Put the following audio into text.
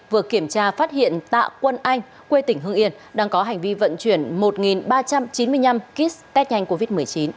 vừa kiểm tra phát hiện tạ quân anh quê tỉnh hưng yên đang có hành vi vận chuyển một ba trăm chín mươi năm kit test nhanh covid một mươi chín